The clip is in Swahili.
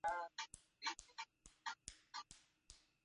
Katika Amerika ya Latini na Karabia mpango wa eneo